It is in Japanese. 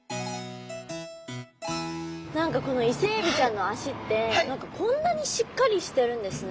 何かこのイセエビちゃんの脚ってこんなにしっかりしてるんですね！